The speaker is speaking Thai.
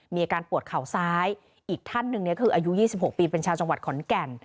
มีอาการปวดเข่าซ้ายอีกท่านหนึ่งเนี่ยคืออายุ๒๖ปีเป็นชาวจังหวัดขอนแก่น